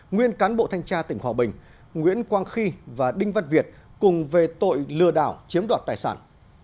nguyên cán bộ thanh tra tỉnh hòa bình nguyễn quang khi và đinh văn việt cùng về tội lừa đảo chiếm đoạt tài sản